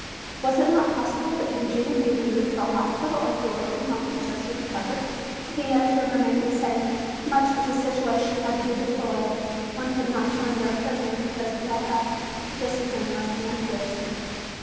Was it not possible that Eugenia be removed to a hospital or to her own home until she recovered? The answer remained the same. Much as the situation was to be deplored, one could not surrender a prisoner because of ill health. Discipline must be enforced.